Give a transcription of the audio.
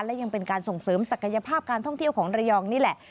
และยังเป็นการส่งเสริมศักยภาพการท่องเที่ยวของระยองนี่แหละ